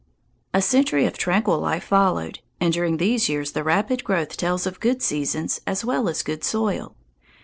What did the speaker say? A century of tranquil life followed, and during these years the rapid growth tells of good seasons as well as good soil.